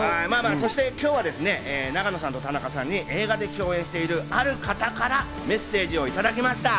今日は永野さんと田中さんに映画で共演しているある方からメッセージをいただきました。